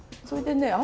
それでね